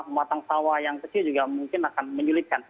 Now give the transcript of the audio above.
pematang sawah yang kecil juga mungkin akan menyulitkan